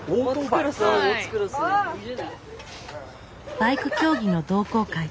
バイク競技の同好会。